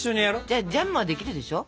じゃあジャムはできるでしょ。